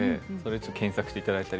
検索していただいたり。